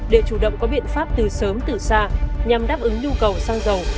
để chủ động có biện pháp từ sớm từ xa nhằm đáp ứng nhu cầu xăng dầu